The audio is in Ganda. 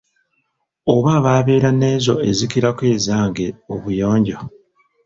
Oba ababeera n'ezo ezikirako ezange obuyonjo.